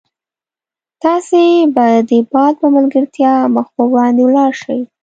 تاسي به د باد په ملګرتیا مخ په وړاندې ولاړ شئ.